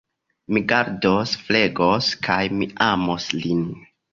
Mi gardos, flegos kaj mi amos lin.